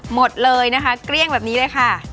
หมดเลยนะคะเกลี้ยงแบบนี้เลยค่ะ